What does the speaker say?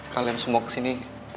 kalian semua kesini